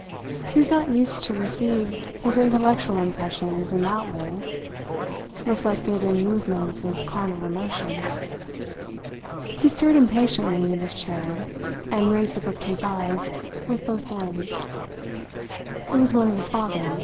He was not used to receive his intellectual impressions in that way reflected in movements of carnal emotion. He stirred impatiently in his chair, and raised the book to his eyes with both hands. It was one of his father's.